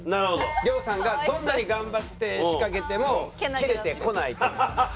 亮さんがどんなに頑張って仕掛けてもキレてこないという。